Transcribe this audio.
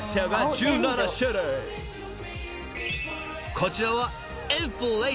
［こちらは］